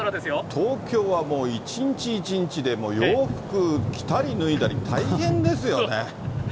東京はもう、一日一日でもう洋服着たり脱いだり大変ですよね。